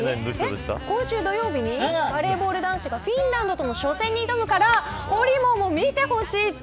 今週土曜日にバレーボール男子がフィンランドとの初戦に挑むからほりもんも見てほしいって。